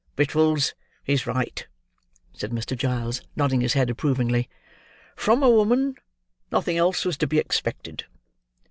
"Brittles is right," said Mr. Giles, nodding his head, approvingly; "from a woman, nothing else was to be expected.